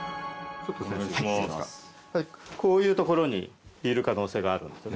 こういうところにいる可能性があるんですよね。